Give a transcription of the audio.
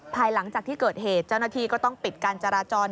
ภายหลังจากที่เกิดเหตุเจ้าหน้าที่ก็ต้องปิดการจราจร